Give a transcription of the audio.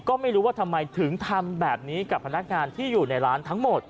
ก็ไม่รู้ว่าทำไมถึงทำแบบนี้กับพนักงานที่อยู่ในร้านทั้งหมด